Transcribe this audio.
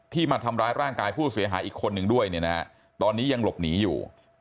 ที่มาทำร้ายร่างกายผู้เสียหายอีกคนหนึ่งด้วยตอนนี้ยังหลบหนีอยู่